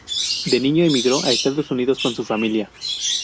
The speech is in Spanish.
De niño emigró a Estados Unidos con su familia.